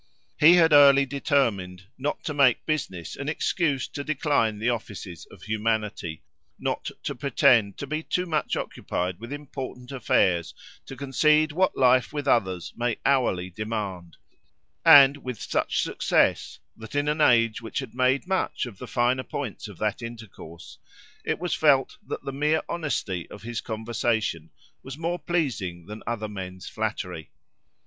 He had early determined "not to make business an excuse to decline the offices of humanity—not to pretend to be too much occupied with important affairs to concede what life with others may hourly demand;" and with such success, that, in an age which made much of the finer points of that intercourse, it was felt that the mere honesty of his conversation was more pleasing than other men's flattery.